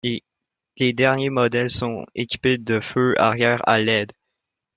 Les derniers modèles sont équipés de feux arrière à led.